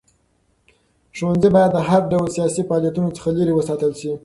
ښوونځي باید د هر ډول سیاسي فعالیتونو څخه لرې وساتل شي.